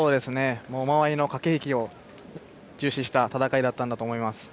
間合いの駆け引きを重視した戦いだったと思います。